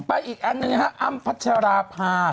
ไปอีกอันนี้ฮะอัมพัชราภาพ